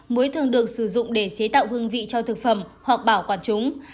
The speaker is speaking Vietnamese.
muối thường được sử dụng để chế tạo hương vị cho thực phẩm hoặc bảo quản chúng